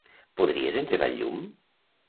Podries engegar el llum?